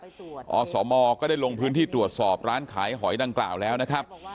อสมก็ได้ลงพื้นที่ตรวจสอบร้านขายหอยดังกล่าวแล้วนะครับ